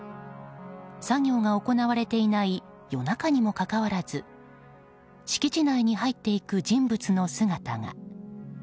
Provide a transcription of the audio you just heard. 作業が行われていない夜中にもかかわらず敷地内に入っていく人物の姿が。